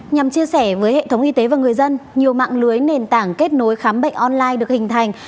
nhằm chia sẻ với hệ thống y tế và người dân nhiều mạng lưới nền tảng kết nối khám bệnh online được hình thành